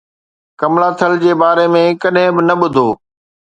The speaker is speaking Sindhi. ڪملاٿل جي باري ۾ ڪڏهن به نه ٻڌو